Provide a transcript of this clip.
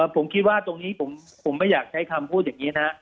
ผมคิดว่าตรงนี้ผมไม่อยากใช้คำพูดอย่างนี้นะ